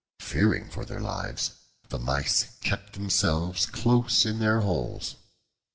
Fearing for their lives, the Mice kept themselves close in their holes.